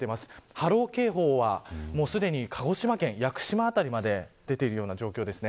波浪警報は、鹿児島県屋久島辺りまで出ている状況です。